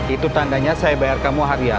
itu tandanya saya bayar kamu harian